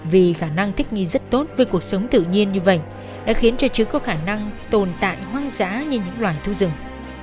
vì khả năng thích nghi rất tốt với cuộc sống tự nhiên như vậy đã khiến cho chứ có khả năng tồn tại hoang dã như những loài thú rừng